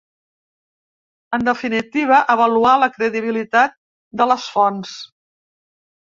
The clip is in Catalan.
En definitiva, avaluar la credibilitat de les fonts.